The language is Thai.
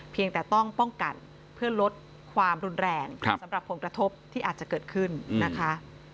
เพียงแต่ต้องป้องกันเพื่อลดความรุนแรงสำหรับผลกระทบที่อาจจะเกิดขึ้นนะคะ